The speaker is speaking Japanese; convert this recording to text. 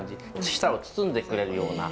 舌を包んでくれるような。